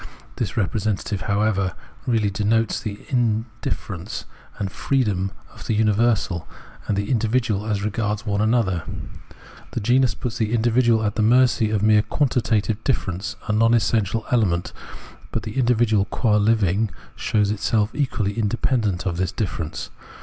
This representative, however, really denotes the in difference and freedom of the universal and the indi vidual as regards one another ; the genus puts the individual at the mercy of mere quantitative difference, a non essential element, but the individual qua Hvitig shows itself equally independent of this difference.